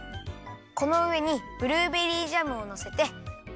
このうえにブルーベリージャムをのせて。